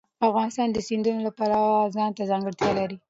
افغانستان د سیندونه د پلوه ځانته ځانګړتیا لري.